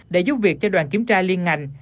để giúp việc cho đoàn kiểm tra liên ngành